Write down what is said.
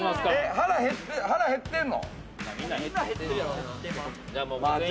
腹減ってるの？